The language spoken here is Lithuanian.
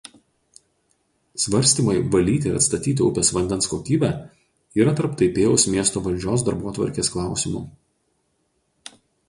Svarstymai valyti ir atstatyti upės vandens kokybę yra tarp Taipėjaus miesto valdžios darbotvarkės klausimų.